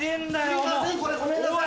すいませんごめんなさい。